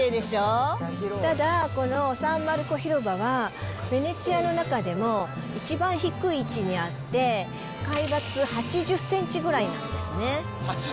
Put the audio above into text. きれいでしょ、ただ、このサン・マルコ広場は、ヴェネツィアの中でも一番低い位置にあって、海抜８０センチぐらいなんですね。